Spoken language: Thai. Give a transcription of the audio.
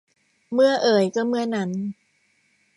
เมื่อเอยก็เมื่อนั้น